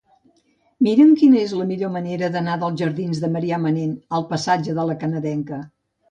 Mira'm quina és la millor manera d'anar dels jardins de Marià Manent al passatge de La Canadenca.